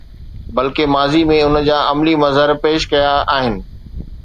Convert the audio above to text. بلڪه ماضيءَ ۾ ان جا عملي مظهر پيش ڪيا آهن.